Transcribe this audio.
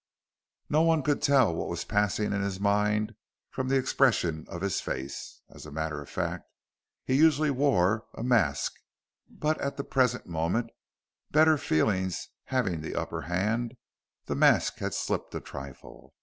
No one could tell what was passing in his mind from the expression of his face. As a matter of fact he usually wore a mask, but at the present moment, better feelings having the upper hand, the mask had slipped a trifle.